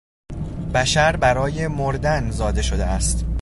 بشر برای مردن زاده شده است.